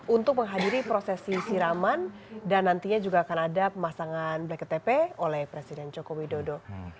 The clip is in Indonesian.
untuk menghadiri prosesi siraman dan nantinya juga akan ada pemasangan blacketp oleh presiden joko widodo